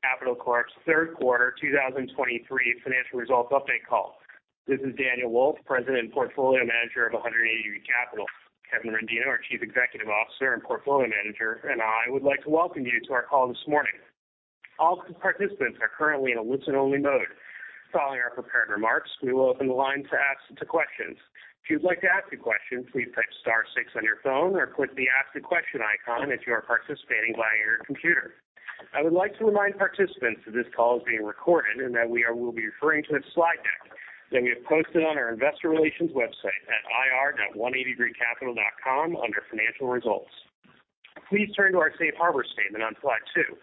180 Degree Capital Corp.'s Third Quarter 2023 Financial Results Update Call. This is Daniel Wolfe, President and Portfolio Manager of 180 Degree Capital. Kevin Rendino, our Chief Executive Officer and Portfolio Manager, and I would like to welcome you to our call this morning. All participants are currently in a listen-only mode. Following our prepared remarks, we will open the line to questions. If you'd like to ask a question, please type star six on your phone or click the Ask a Question icon if you are participating via your computer. I would like to remind participants that this call is being recorded, and that we will be referring to a slide deck that we have posted on our investor relations website at ir.180degreecapital.com under Financial Results. Please turn to our safe harbor statement on slide 2.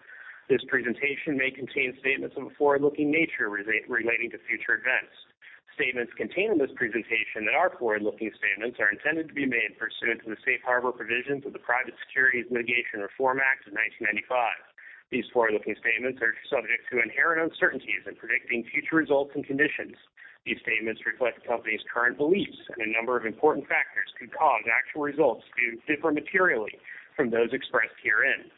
This presentation may contain statements of a forward-looking nature relating to future events. Statements contained in this presentation that are forward-looking statements are intended to be made pursuant to the safe harbor provisions of the Private Securities Litigation Reform Act of 1995. These forward-looking statements are subject to inherent uncertainties in predicting future results and conditions. These statements reflect the company's current beliefs, and a number of important factors could cause actual results to differ materially from those expressed herein.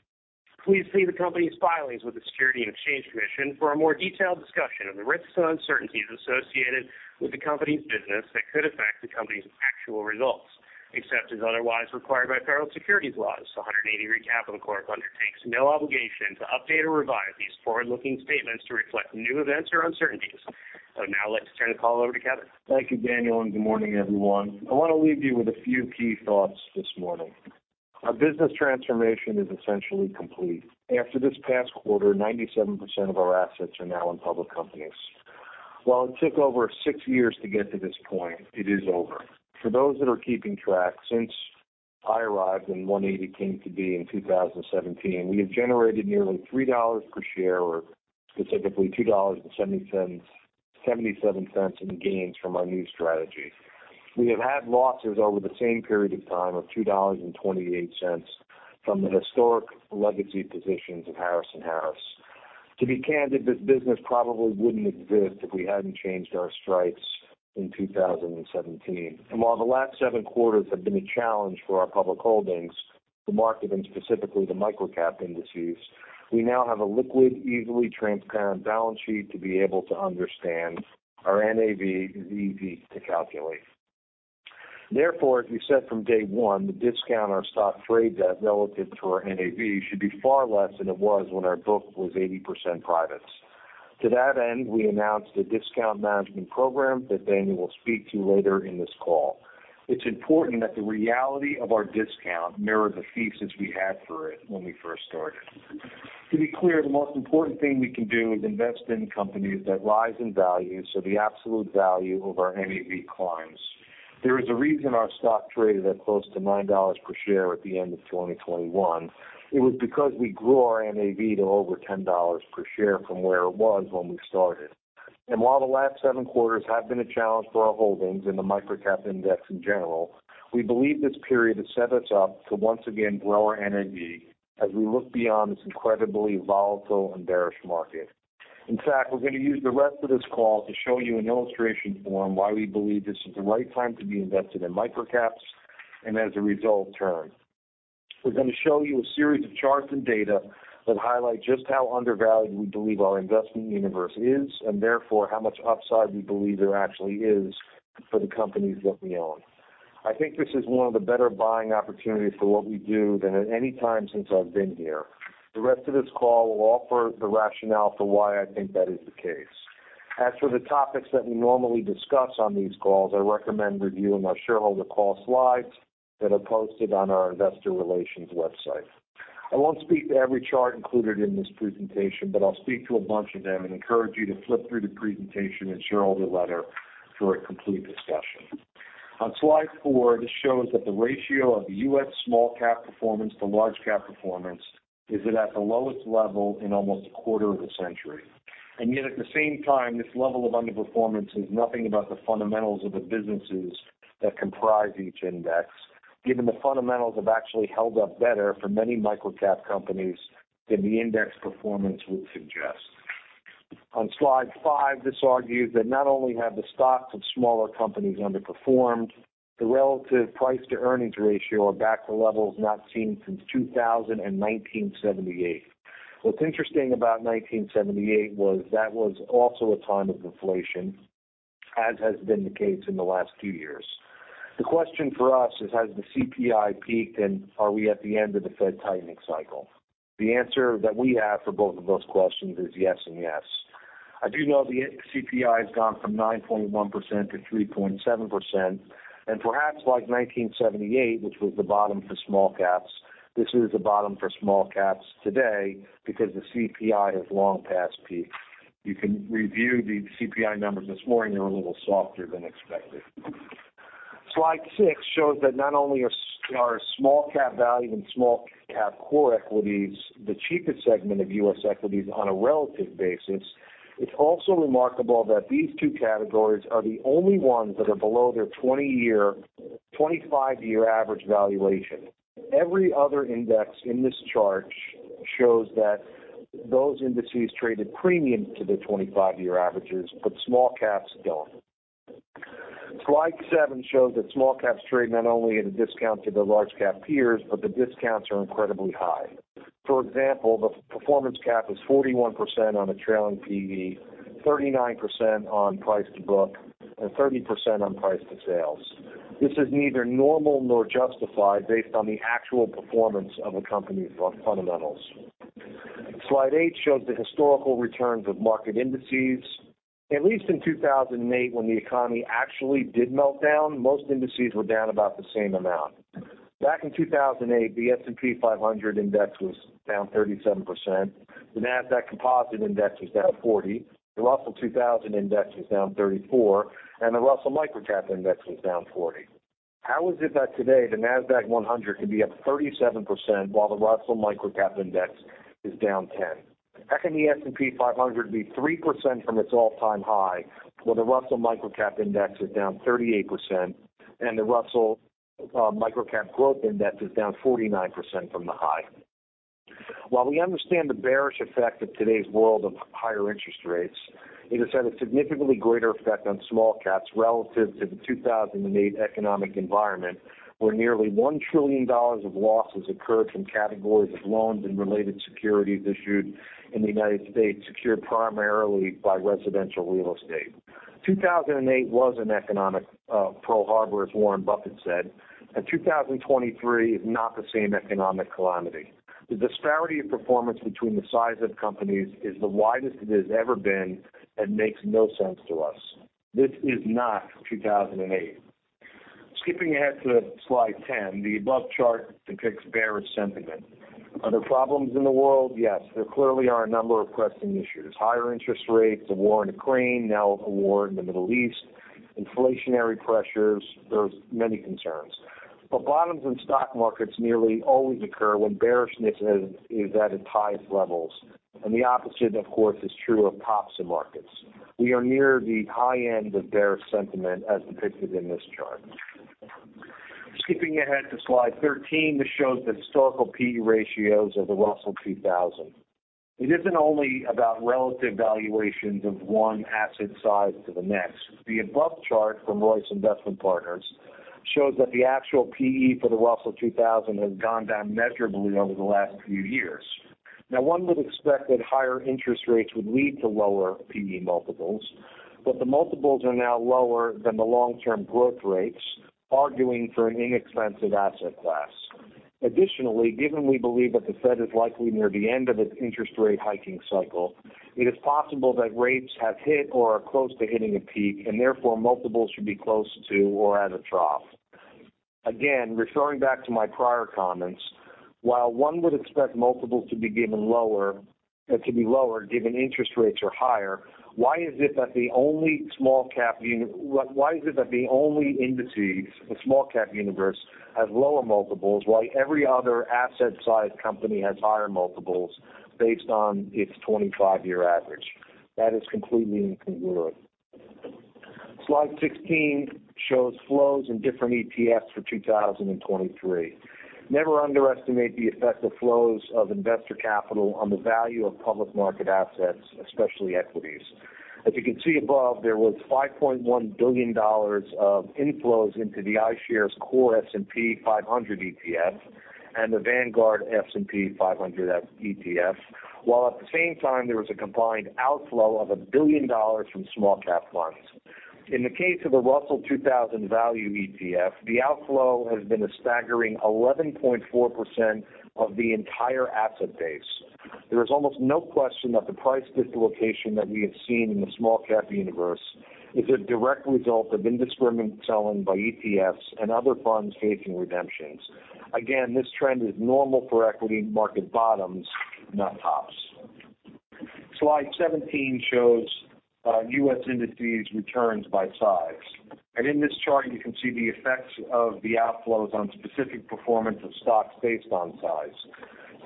Please see the company's filings with the Securities and Exchange Commission for a more detailed discussion of the risks and uncertainties associated with the company's business that could affect the company's actual results. Except as otherwise required by federal securities laws, 180 Degree Capital Corp. undertakes no obligation to update or revise these forward-looking statements to reflect new events or uncertainties. I would now like to turn the call over to Kevin. Thank you, Daniel, and good morning, everyone. I wanna leave you with a few key thoughts this morning. Our business transformation is essentially complete. After this past quarter, 97% of our assets are now in public companies. While it took over 6 years to get to this point, it is over. For those that are keeping track, since I arrived, and One Eighty came to be in 2017, we have generated nearly $3 per share, or specifically $2.77 in gains from our new strategy. We have had losses over the same period of time of $2.28 from the historic legacy positions of Harris & Harris. To be candid, this business probably wouldn't exist if we hadn't changed our stripes in 2017. While the last seven quarters have been a challenge for our public holdings, the market, and specifically the microcap indices, we now have a liquid, easily transparent balance sheet to be able to understand. Our NAV is easy to calculate. Therefore, as we said from day one, the discount our stock trade debt relative to our NAV should be far less than it was when our book was 80% privates. To that end, we announced a discount management program that Daniel will speak to later in this call. It's important that the reality of our discount mirror the thesis we had for it when we first started. To be clear, the most important thing we can do is invest in companies that rise in value so the absolute value of our NAV climbs. There is a reason our stock traded at close to $9 per share at the end of 2021. It was because we grew our NAV to over $10 per share from where it was when we started. And while the last 7 quarters have been a challenge for our holdings in the microcap index in general, we believe this period has set us up to once again grow our NAV as we look beyond this incredibly volatile and bearish market. In fact, we're gonna use the rest of this call to show you in illustration form why we believe this is the right time to be invested in microcaps, and as a result, TURN. We're gonna show you a series of charts and data that highlight just how undervalued we believe our investment universe is, and therefore, how much upside we believe there actually is for the companies that we own. I think this is one of the better buying opportunities for what we do than at any time since I've been here. The rest of this call will offer the rationale for why I think that is the case. As for the topics that we normally discuss on these calls, I recommend reviewing our shareholder call slides that are posted on our investor relations website. I won't speak to every chart included in this presentation, but I'll speak to a bunch of them and encourage you to flip through the presentation and shareholder letter for a complete discussion. On slide four, this shows that the ratio of U.S. small-cap performance to large-cap performance is that at the lowest level in almost a quarter of a century. And yet at the same time, this level of underperformance is nothing about the fundamentals of the businesses that comprise each index, given the fundamentals have actually held up better for many microcap companies than the index performance would suggest. On slide five, this argues that not only have the stocks of smaller companies underperformed, the relative price-to-earnings ratio are back to levels not seen since 2000 and 1978. What's interesting about 1978 was that was also a time of inflation, as has been the case in the last few years. The question for us is: Has the CPI peaked, and are we at the end of the Fed tightening cycle? The answer that we have for both of those questions is yes and yes. I do know the CPI has gone from 9.1% to 3.7%, and perhaps like 1978, which was the bottom for small caps, this is the bottom for small caps today because the CPI has long past peaked. You can review the CPI numbers this morning. They're a little softer than expected. Slide 6 shows that not only are small-cap value and small-cap core equities the cheapest segment of U.S. equities on a relative basis, it's also remarkable that these two categories are the only ones that are below their 25-year average valuation. Every other index in this chart shows that those indices traded premium to their 25-year averages. Slide seven shows that small caps trade not only at a discount to their large cap peers, but the discounts are incredibly high. For example, the performance gap is 41% on a trailing P/E, 39% on price to book, and 30% on price to sales. This is neither normal nor justified based on the actual performance of a company's fundamentals. Slide eight shows the historical returns of market indices. At least in 2008, when the economy actually did melt down, most indices were down about the same amount. Back in 2008, the S&P 500 Index was down 37%, the Nasdaq Composite Index was down 40%, the Russell 2000 Index was down 34%, and the Russell Microcap Index was down 40%. How is it that today the Nasdaq 100 could be up 37%, while the Russell Microcap Index is down 10%? How can the S&P 500 be 3% from its all-time high, while the Russell Microcap Index is down 38% and the Russell Microcap Growth Index is down 49% from the high? While we understand the bearish effect of today's world of higher interest rates, it has had a significantly greater effect on small caps relative to the 2008 economic environment, where nearly $1 trillion of losses occurred from categories of loans and related securities issued in the United States, secured primarily by residential real estate. 2008 was an economic Pearl Harbor, as Warren Buffett said, and 2023 is not the same economic calamity. The disparity of performance between the size of companies is the widest it has ever been and makes no sense to us. This is not 2008. Skipping ahead to slide 10, the above chart depicts bearish sentiment. Are there problems in the world? Yes, there clearly are a number of pressing issues. Higher interest rates, the war in Ukraine, now a war in the Middle East, inflationary pressures. There's many concerns, but bottoms in stock markets nearly always occur when bearishness is at its highest levels, and the opposite, of course, is true of tops in markets. We are near the high end of bearish sentiment, as depicted in this chart. Skipping ahead to slide 13, this shows the historical P/E ratios of the Russell 2000. It isn't only about relative valuations of one asset size to the next. The above chart from Royce Investment Partners shows that the actual P/E for the Russell 2000 has gone down measurably over the last few years. Now, one would expect that higher interest rates would lead to lower P/E multiples, but the multiples are now lower than the long-term growth rates, arguing for an inexpensive asset class. Additionally, given we believe that the Fed is likely near the end of its interest rate hiking cycle, it is possible that rates have hit or are close to hitting a peak, and therefore, multiples should be close to or at a trough. Again, referring back to my prior comments, while one would expect multiples to be given lower, to be lower, given interest rates are higher, why is it that the only small cap universe, why is it that the only indices, the small cap universe, have lower multiples, while every other asset size company has higher multiples based on its 25-year average? That is completely incongruent. Slide 16 shows flows in different ETFs for 2023. Never underestimate the effect of flows of investor capital on the value of public market assets, especially equities. As you can see above, there was $5.1 billion of inflows into the iShares Core S&P 500 ETF and the Vanguard S&P 500 ETF, while at the same time, there was a combined outflow of $1 billion from small-cap funds. In the case of the Russell 2000 Value ETF, the outflow has been a staggering 11.4% of the entire asset base. There is almost no question that the price dislocation that we have seen in the small-cap universe is a direct result of indiscriminate selling by ETFs and other funds facing redemptions. Again, this trend is normal for equity market bottoms, not tops. Slide 17 shows U.S. industries returns by size. In this chart, you can see the effects of the outflows on specific performance of stocks based on size.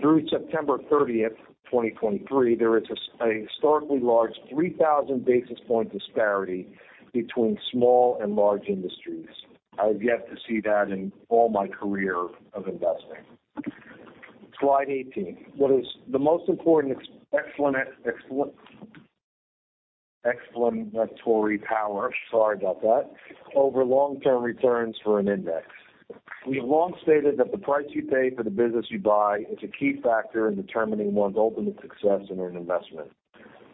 Through September 30, 2023, there is a historically large 3,000 basis point disparity between small and large industries. I have yet to see that in all my career of investing. Slide 18. What is the most important explanatory power, sorry about that, over long-term returns for an index? We have long stated that the price you pay for the business you buy is a key factor in determining one's ultimate success in an investment.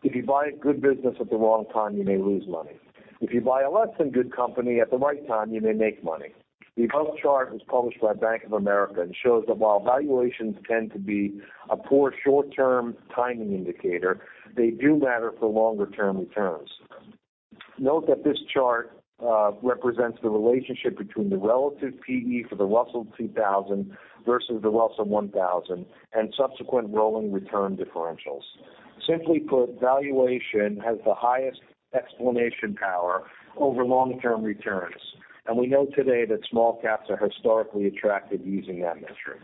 If you buy a good business at the wrong time, you may lose money. If you buy a less than good company at the right time, you may make money. The above chart was published by Bank of America and shows that while valuations tend to be a poor short-term timing indicator, they do matter for longer-term returns. Note that this chart represents the relationship between the relative P/E for the Russell 2000 versus the Russell 1000 and subsequent rolling return differentials. Simply put, valuation has the highest explanation power over long-term returns, and we know today that small caps are historically attractive using that metric.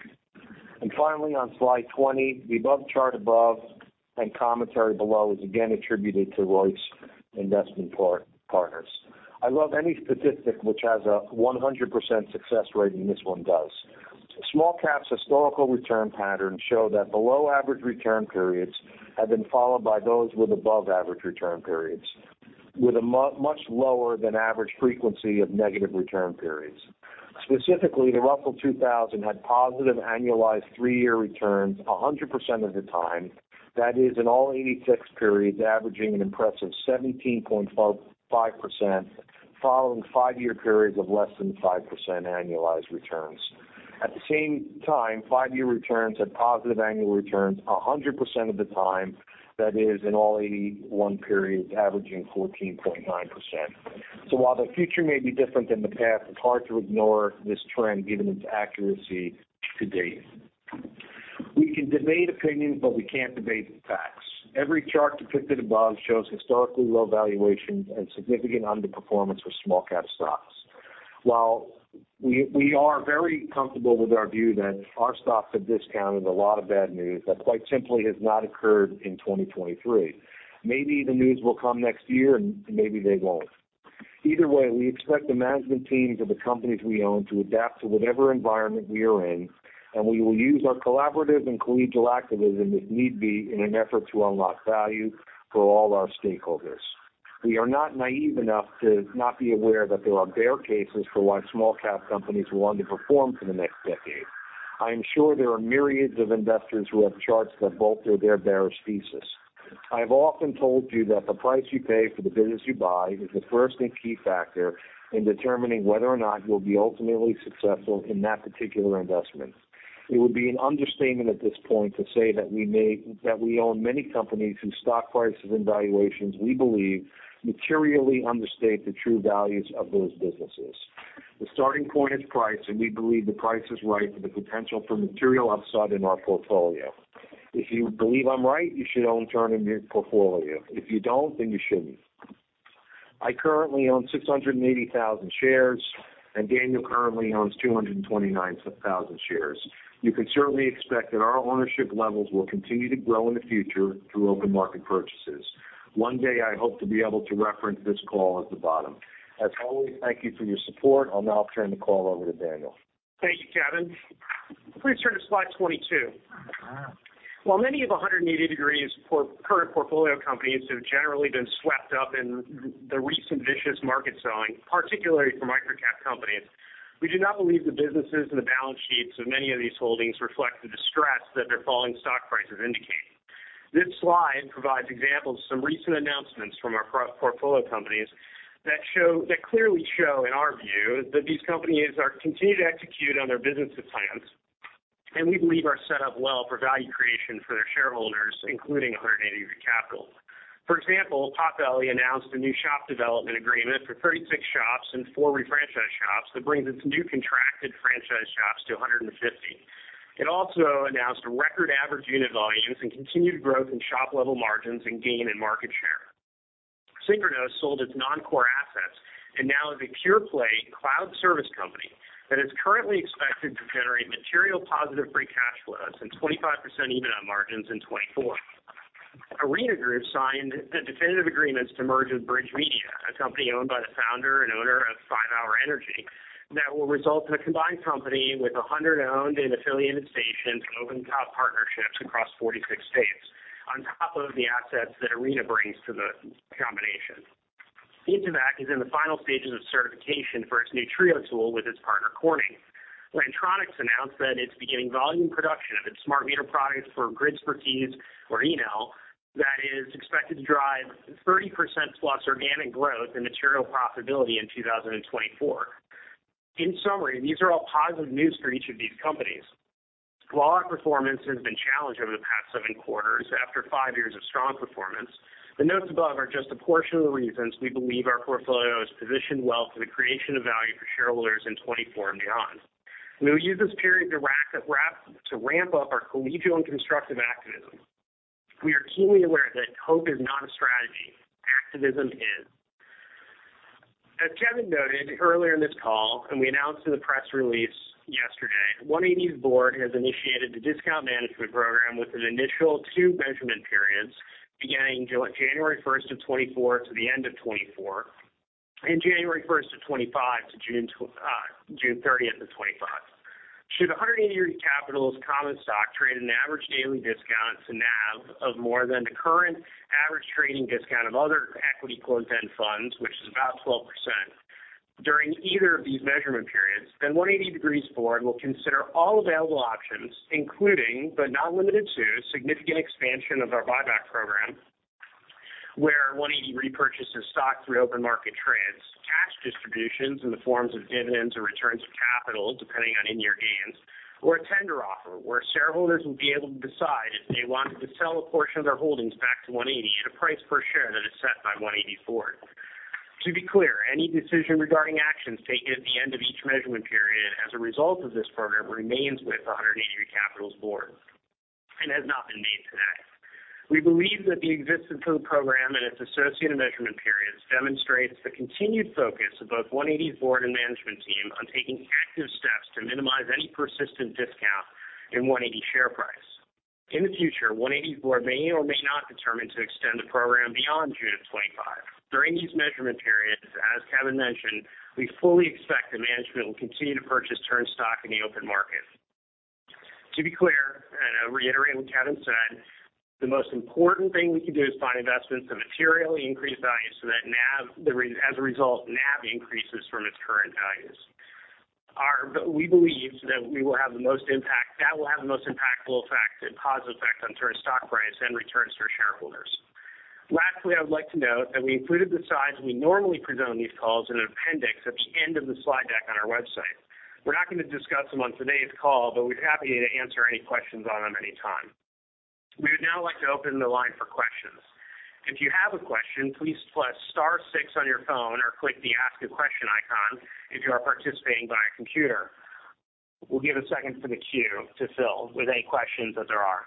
Finally, on slide 20, the above chart and commentary below is again attributed to Royce Investment Partners. I love any statistic which has a 100% success rate, and this one does. Small-cap's historical return patterns show that below average return periods have been followed by those with above average return periods, with a much lower than average frequency of negative return periods. Specifically, the Russell 2000 had positive annualized three-year returns 100% of the time. That is, in all 86 periods, averaging an impressive 17.55%, following five-year periods of less than 5% annualized returns. At the same time, five-year returns had positive annual returns 100% of the time. That is, in all 81 periods, averaging 14.9%. So while the future may be different than the past, it's hard to ignore this trend given its accuracy to date. We can debate opinions, but we can't debate the facts. Every chart depicted above shows historically low valuations and significant underperformance for small cap stocks. While we are very comfortable with our view that our stocks have discounted a lot of bad news, that quite simply has not occurred in 2023. Maybe the news will come next year, and maybe they won't. Either way, we expect the management teams of the companies we own to adapt to whatever environment we are in, and we will use our collaborative and collegial activism, if need be, in an effort to unlock value for all our stakeholders. We are not naive enough to not be aware that there are bear cases for why small cap companies will underperform for the next decade. I am sure there are myriads of investors who have charts that bolster their bearish thesis. I've often told you that the price you pay for the business you buy is the first and key factor in determining whether or not you'll be ultimately successful in that particular investment. It would be an understatement at this point to say that we own many companies whose stock prices and valuations, we believe, materially understate the true values of those businesses. The starting point is price, and we believe the price is right for the potential for material upside in our portfolio. If you believe I'm right, you should own TURN in your portfolio. If you don't, then you shouldn't. I currently own 680,000 shares, and Daniel currently owns 229,000 shares. You can certainly expect that our ownership levels will continue to grow in the future through open market purchases. One day I hope to be able to reference this call at the bottom. As always, thank you for your support. I'll now turn the call over to Daniel. Thank you, Kevin. Please turn to slide 22. While many of the 180 Degree's current portfolio companies have generally been swept up in the recent vicious market selling, particularly for microcap companies, we do not believe the businesses and the balance sheets of many of these holdings reflect the distress that their falling stock prices indicate. This slide provides examples of some recent announcements from our portfolio companies that clearly show, in our view, that these companies are continuing to execute on their business plans, and we believe are set up well for value creation for their shareholders, including 180 Degree Capital. For example, Potbelly announced a new shop development agreement for 36 shops and 4 refranchise shops that brings its new contracted franchise shops to 150. It also announced record average unit volumes and continued growth in shop-level margins and gain in market share. Synchronoss sold its non-core assets and now is a pure-play cloud service company that is currently expected to generate material positive free cash flows and 25% EBITDA margins in 2024. The Arena Group signed the definitive agreements to merge with Bridge Media, a company owned by the founder and owner of 5-hour ENERGY, that will result in a combined company with 100 owned and affiliated stations and over-the-top partnerships across 46 states, on top of the assets that Arena brings to the combination. Intevac is in the final stages of certification for its TRIO tool with its partner, Corning. Lantronix announced that it's beginning volume production of its smart meter product for Gridspertise or Enel. That is expected to drive 30%+ organic growth and material profitability in 2024. In summary, these are all positive news for each of these companies. While our performance has been challenged over the past 7 quarters after 5 years of strong performance, the notes above are just a portion of the reasons we believe our portfolio is positioned well for the creation of value for shareholders in 2024 and beyond. We will use this period to ramp up our collegial and constructive activism. We are keenly aware that hope is not a strategy, activism is. As Kevin noted earlier in this call, and we announced in the press release yesterday, 180's board has initiated the discount management program with an initial two measurement periods, beginning January 1, 2024 to the end of 2024, and January 1, 2025 to June 30, 2025. Should 180 Degree Capital's common stock trade at an average daily discount to NAV of more than the current average trading discount of other equity closed-end funds, which is about 12%, during either of these measurement periods, then 180 Degree Capital's board will consider all available options, including, but not limited to, significant expansion of our buyback program, where 180 Degree Capital repurchases stock through open market trades, cash distributions in the forms of dividends or returns of capital, depending on in-year gains, or a tender offer, where shareholders will be able to decide if they want to sell a portion of their holdings back to 180 Degree Capital at a price per share that is set by 180 Degree Capital board. To be clear, any decision regarding actions taken at the end of each measurement period as a result of this program remains with the 180 Degree Capital's board and has not been made today. We believe that the existence of the program and its associated measurement periods demonstrates the continued focus of both 180's board and management team on taking active steps to minimize any persistent discount in 180 share price. In the future, 180 may or may not determine to extend the program beyond June of 2025. During these measurement periods, as Kevin mentioned, we fully expect that management will continue to purchase TURN stock in the open market. To be clear, and I reiterate what Kevin said, the most important thing we can do is find investments that materially increase value so that NAV, as a result, NAV increases from its current values. But we believe that we will have the most impact, that will have the most impactful effect and positive effect on TURN stock price and returns to our shareholders. Lastly, I would like to note that we included the slides we normally present on these calls in an appendix at the end of the slide deck on our website. We're not going to discuss them on today's call, but we'd be happy to answer any questions on them anytime. We would now like to open the line for questions. If you have a question, please press star six on your phone or click the Ask a Question icon if you are participating via computer. We'll give a second for the queue to fill with any questions that there are.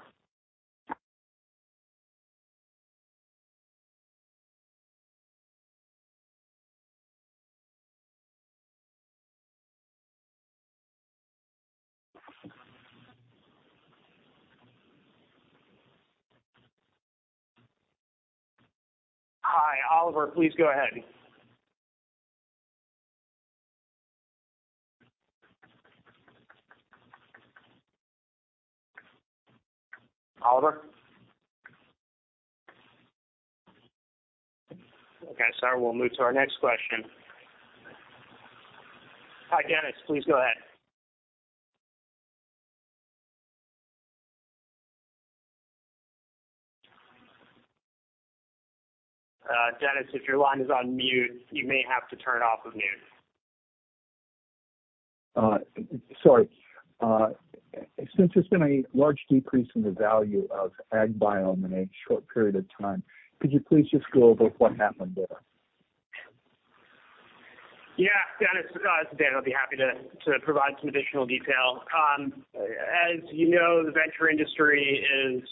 Hi, Oliver. Please go ahead. Oliver? Okay, sorry, we'll move to our next question. Hi, Dennis, please go ahead. Dennis, if your line is on mute, you may have to turn off the mute. Sorry. Since there's been a large decrease in the value of AgBiome in a short period of time, could you please just go over what happened there? Yeah. Dennis, it's Dan. I'll be happy to provide some additional detail. As you know, the venture industry is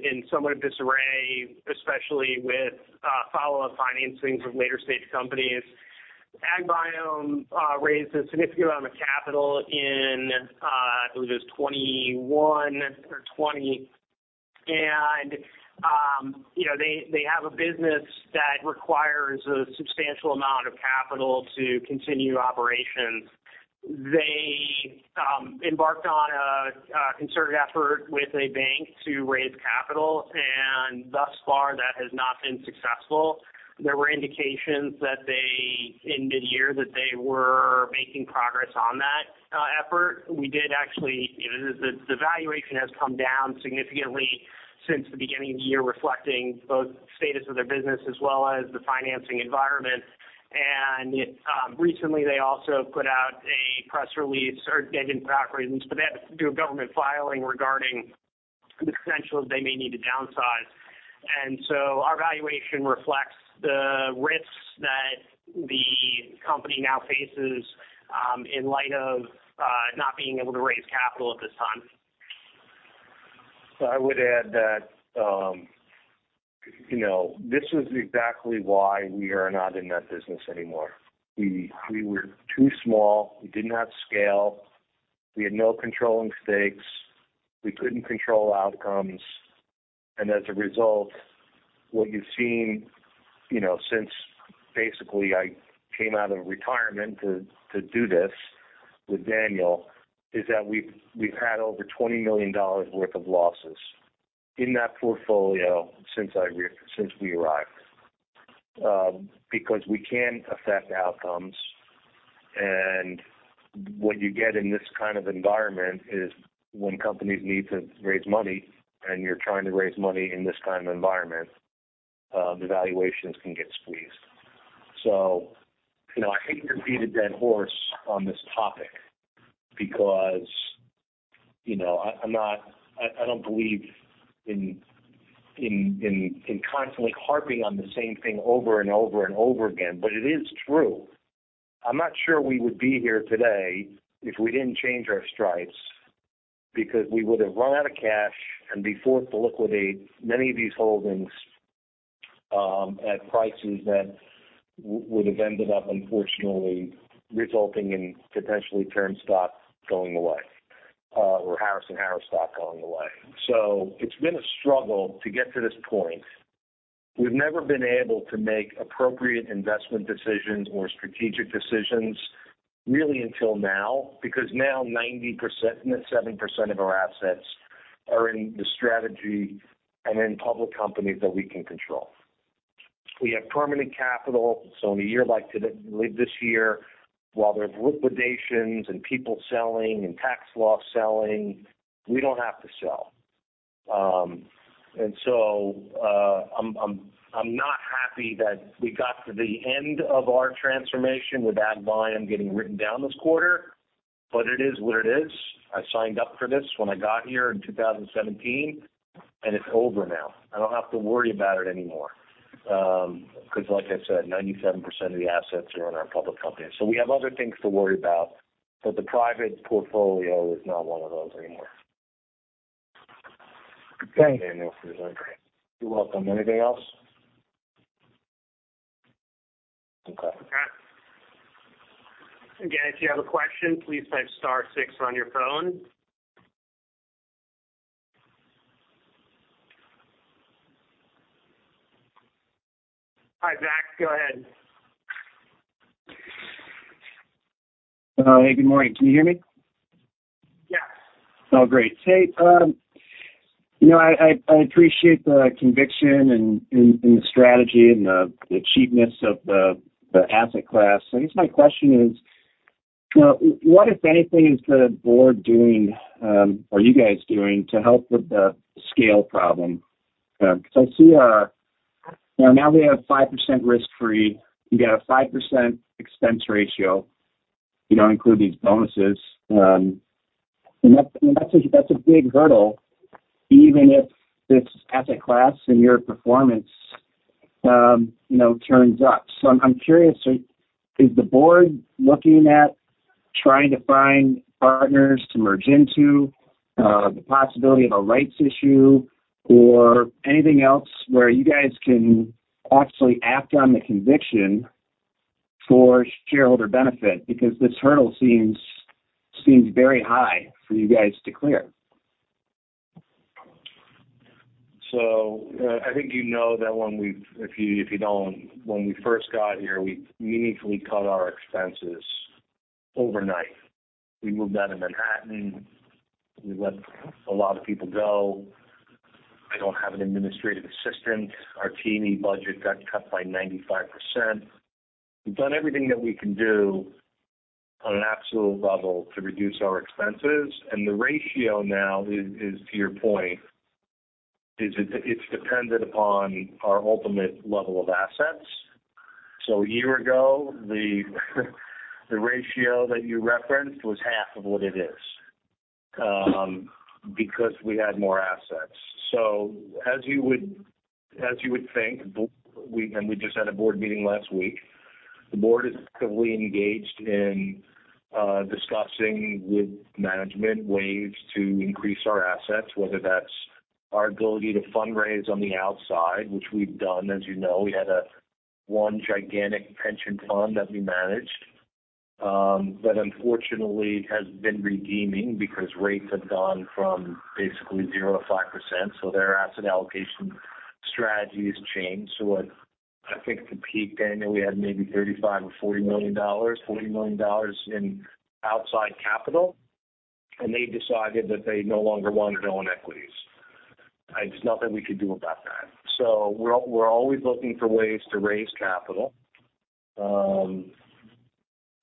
in somewhat disarray, especially with follow-up financings of later-stage companies. AgBiome raised a significant amount of capital in, I believe it was 2021 or 2020. They have a business that requires a substantial amount of capital to continue operations. They embarked on a concerted effort with a bank to raise capital, and thus far, that has not been successful. There were indications that in mid-year that they were making progress on that effort. We did actually the valuation has come down significantly since the beginning of the year, reflecting both the status of their business as well as the financing environment. Recently they also put out a press release, or they didn't put out a release, but they had to do a government filing regarding the potential they may need to downsize. So our valuation reflects the risks that the company now faces, in light of not being able to raise capital at this time. I would add that this is exactly why we are not in that business anymore. We were too small. We did not scale. We had no controlling stakes. We couldn't control outcomes. And as a result, what you've seen since basically I came out of retirement to do this with Daniel, is that we've had over $20 million worth of losses in that portfolio since we arrived. Because we can't affect outcomes, and what you get in this kind of environment is when companies need to raise money, and you're trying to raise money in this kind of environment, the valuations can get squeezed. I hate to beat a dead horse on this topic because don't believe in constantly harping on the same thing over and over and over again, but it is true. I'm not sure we would be here today if we didn't change our stripes, because we would have run out of cash and be forced to liquidate many of these holdings at prices that would have ended up unfortunately resulting in potentially TURN stock going away, or Harris & Harris stock going away. So it's been a struggle to get to this point. We've never been able to make appropriate investment decisions or strategic decisions really until now, because now 90%, 97% of our assets are in the strategy and in public companies that we can control. We have permanent capital, so in a year like this year, while there's liquidations and people selling and tax loss selling, we don't have to sell. And so, I'm not happy that we got to the end of our transformation with AgBiome getting written down this quarter, but it is what it is. I signed up for this when I got here in 2017, and it's over now. I don't have to worry about it anymore. Because like I said, 97% of the assets are in our public company, so we have other things to worry about, but the private portfolio is not one of those anymore. Thank you. You're welcome. Anything else? Again, if you have a question, please type star six on your phone. Hi, Zach, go ahead. Hey, good morning. Can you hear me? Yeah. Oh, great. Hey, I appreciate the conviction and the strategy and the cheapness of the asset class. I guess my question is, what, if anything, is the board doing, or you guys doing to help with the scale problem? Because I see now we have 5% risk-free. You got a 5% expense ratio including these bonuses. And that's a big hurdle, even if this asset class and your performance turns up. So I'm curious, is the board looking at trying to find partners to merge into, the possibility of a rights issue or anything else where you guys can actually act on the conviction for shareholder benefit? Because this hurdle seems very high for you guys to clear. That when we've. If you don't, when we first got here, we meaningfully cut our expenses overnight. We moved out of Manhattan. We let a lot of people go. I don't have an administrative assistant. Our team budget got cut by 95%. We've done everything that we can do on an absolute level to reduce our expenses, and the ratio now is, to your point, it's dependent upon our ultimate level of assets. So a year ago, the ratio that you referenced was half of what it is, because we had more assets. So as you would think, we-- and we just had a board meeting last week. The board is actively engaged in discussing with management ways to increase our assets, whether that's our ability to fundraise on the outside, which we've done. We had a one gigantic pension fund that we managed that unfortunately has been redeeming because rates have gone from basically 0% to 5%, so their asset allocation strategies changed. So what I think at the peak, Daniel, we had maybe $35 million or $40 million, $40 million in outside capital, and they decided that they no longer wanted to own equities. There's nothing we could do about that. So we're always looking for ways to raise capital,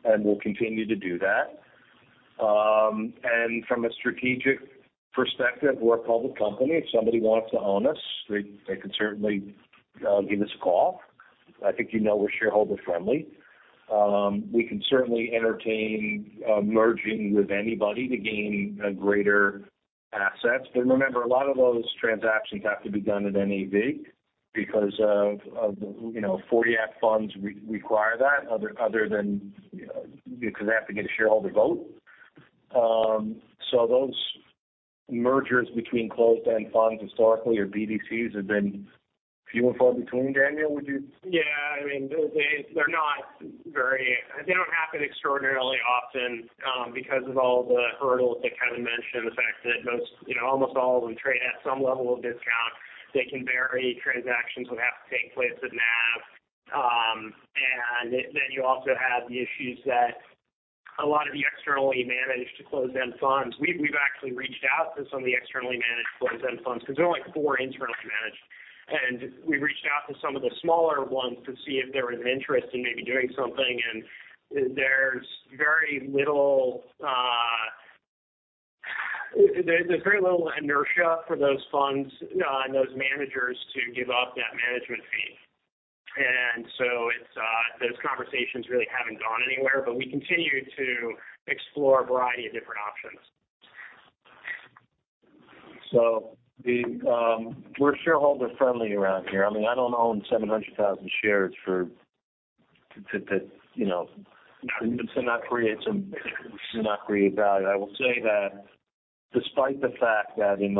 and we'll continue to do that. And from a strategic perspective, we're a public company. If somebody wants to own us, they can certainly give us a call. I think you know we're shareholder-friendly. We can certainly entertain merging with anybody to gain greater assets. But remember, a lot of those transactions have to be done at NAV because of 1940 Act funds require that other than because they have to get a shareholder vote. So those mergers between closed-end funds, historically, or BDCs, have been few and far between. Daniel, would you? They don't happen extraordinarily often, because of all the hurdles that Kevin mentioned, the fact that most almost all of them trade at some level of discount. They can vary. Transactions would have to take place at NAV. And then you also have the issues that a lot of the externally managed closed-end funds, we've actually reached out to some of the externally managed closed-end funds because there are four internally managed, and we've reached out to some of the smaller ones to see if there was an interest in maybe doing something, and there's very little. There's very little inertia for those funds and those managers to give up that management fee. And so it's those conversations really haven't gone anywhere, but we continue to explore a variety of different options. So, we're shareholder-friendly around here. I mean, I don't own 700,000 shares to not create some, to not create value. I will say that despite the fact that in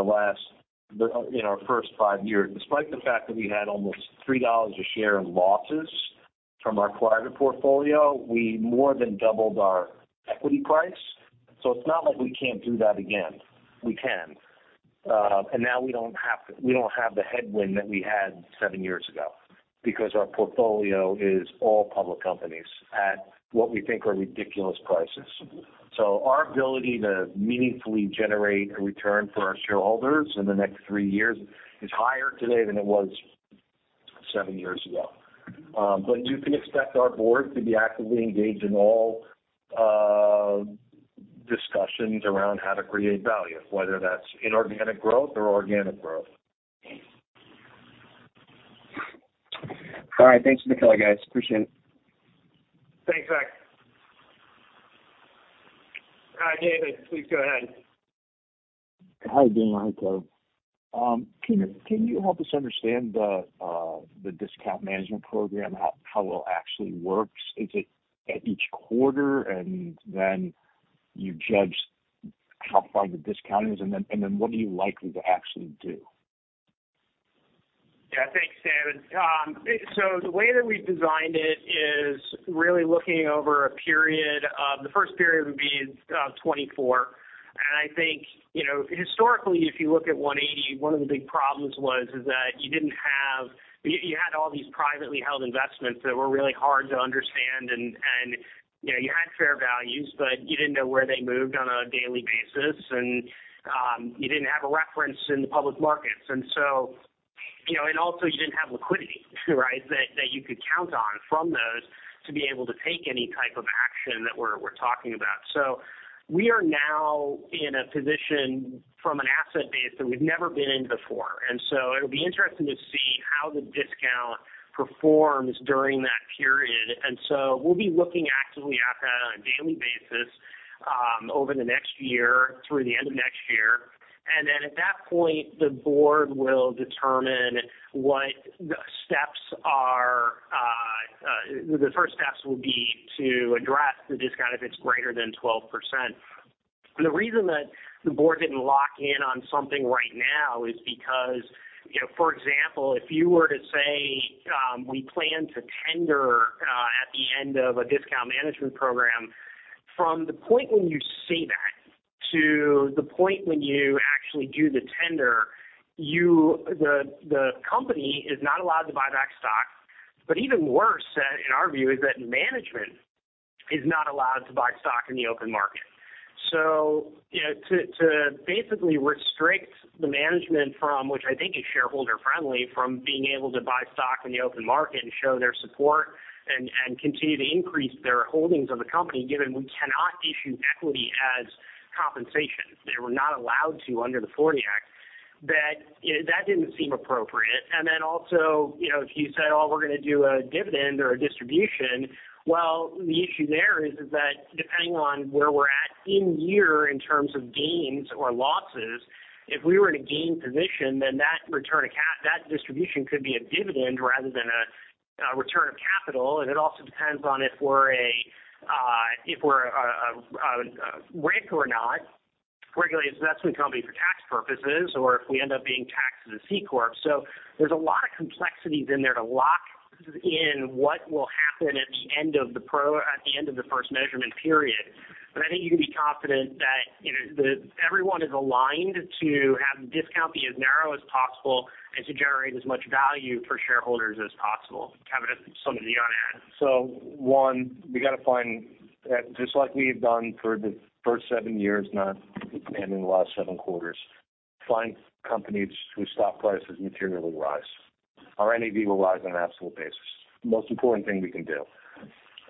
our first five years, despite the fact that we had almost $3 a share in losses from our private portfolio, we more than doubled our equity price. So it's not like we can't do that again. We can. And now we don't have the headwind that we had seven years ago because our portfolio is all public companies at what we think are ridiculous prices. So our ability to meaningfully generate a return for our shareholders in the next three years is higher today than it was seven years ago. You can expect our board to be actively engaged in all discussions around how to create value, whether that's inorganic growth or organic growth. All right. Thanks a million, guys. Appreciate it. Thanks, Zach. David, please go ahead. Hi, Dan. Hi, Kevin. Can you help us understand the discount management program, how well it actually works? Is it at each quarter, and then you judge how far the discount is, and then what are you likely to actually do? Thanks, Dan. So the way that we've designed it is really looking over a period of, the first period would be 24. Historically, if you look at 180, one of the big problems was, is that you had all these privately held investments that were really hard to understand and you had fair values, but you didn't know where they moved on a daily basis. And you didn't have a reference in the public markets. And also you didn't have liquidity, right? That you could count on from those to be able to take any type of action that we're talking about. So we are now in a position from an asset base that we've never been in before, and so it'll be interesting to see how the discount performs during that period. And so we'll be looking actively at that on a daily basis, over the next year, through the end of next year. And then at that point, the board will determine what steps are. The first steps will be to address the discount if it's greater than 12%. And the reason that the board didn't lock in on something right now is because for example, if you were to say, we plan to tender, at the end of a discount management program, from the point when you say that, to the point when you actually do the tender, the company is not allowed to buy back stock. But even worse, in our view, is that management is not allowed to buy stock in the open market. To basically restrict the management from, which I think is shareholder-friendly, from being able to buy stock in the open market and show their support and continue to increase their holdings of the company, given we cannot issue equity as compensation, they were not allowed to under the Forty Act, that didn't seem appropriate. And then also if you said, "Oh, we're gonna do a dividend or a distribution," well, the issue there is that depending on where we're at in year, in terms of gains or losses, if we were in a gain position, then that return of capital - that distribution could be a dividend rather than a return of capital. It also depends on if we're a RIC or not, regulated investment company for tax purposes or if we end up being taxed as a C corp. So there's a lot of complexities in there to lock in what will happen at the end of the first measurement period. But I think you can be confident that everyone is aligned to have the discount be as narrow as possible and to generate as much value for shareholders as possible. Kevin, something you want to add? One, we gotta find just like we've done for the first seven years and in the last seven quarters, find companies whose stock prices materially rise. Our NAV will rise on an absolute basis. Most important thing we can do.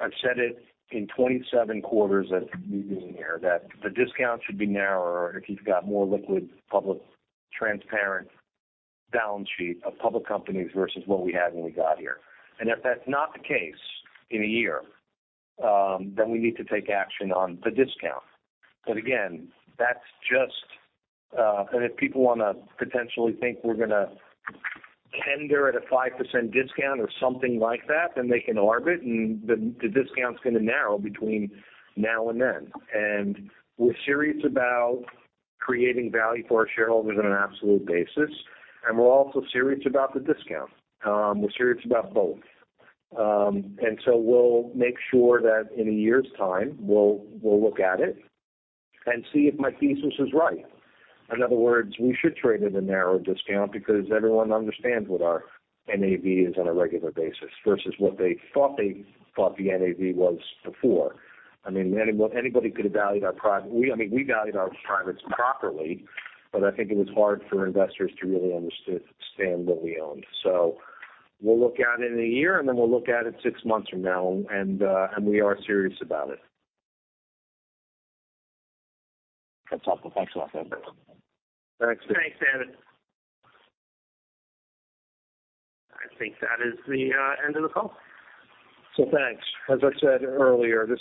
I've said it in 27 quarters that we've been here, that the discount should be narrower if you've got more liquid, public, transparent balance sheet of public companies versus what we had when we got here. And if that's not the case in a year, then we need to take action on the discount. And if people wanna potentially think we're gonna tender at a 5% discount or something like that, then they can arb it, and the discount's gonna narrow between now and then. And we're serious about creating value for our shareholders on an absolute basis, and we're also serious about the discount. We're serious about both. And so we'll make sure that in a year's time, we'll look at it and see if my thesis is right. In other words, we should trade at a narrow discount because everyone understands what our NAV is on a regular basis, versus what they thought the NAV was before. I mean, anybody could have valued our privates, we, I mean, we valued our privates properly, but I think it was hard for investors to really understand what we owned. So we'll look at it in a year, and then we'll look at it six months from now, and we are serious about it. That's helpful. Thanks a lot, everyone. Thanks. Thanks, Dan. I think that is the end of the call. So thanks. As I said earlier, this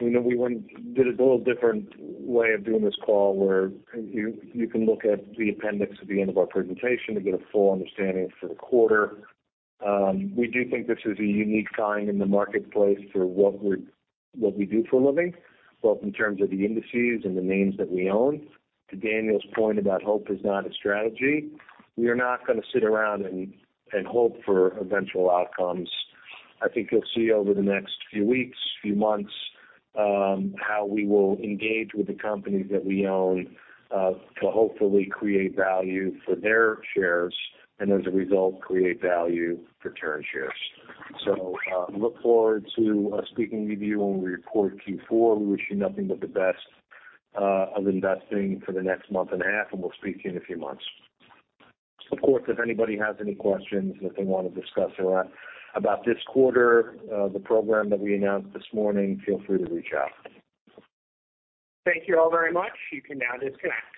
we did a little different way of doing this call, where you can look at the appendix at the end of our presentation to get a full understanding for the quarter. We do think this is a unique time in the marketplace for what we're, what we do for a living, both in terms of the indices and the names that we own. To Daniel's point about hope is not a strategy, we are not gonna sit around and hope for eventual outcomes. I think you'll see over the next few weeks, few months, how we will engage with the companies that we own, to hopefully create value for their shares, and as a result, create value for TURN shares. So, look forward to speaking with you when we report Q4. We wish you nothing but the best, of investing for the next month and a half, and we'll speak to you in a few months. Of course, if anybody has any questions that they want to discuss or about this quarter, the program that we announced this morning, feel free to reach out. Thank you all very much. You can now disconnect.